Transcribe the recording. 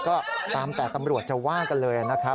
ก็ตามแต่ตำรวจจะว่ากันเลยนะครับ